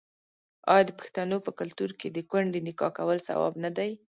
آیا د پښتنو په کلتور کې د کونډې نکاح کول ثواب نه دی؟